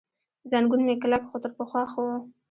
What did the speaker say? زنګون مې کلک، خو تر پخوا ښه و.